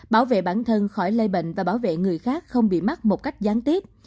bảo vệ bản thân khỏi lây bệnh và bảo vệ người khác không bị mắc một cách gián tiếp